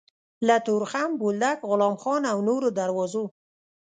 له تورخم، بولدک، غلام خان او نورو دروازو